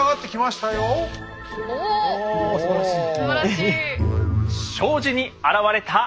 すばらしい。